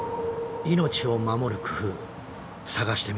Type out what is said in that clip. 命を守る工夫探してみて。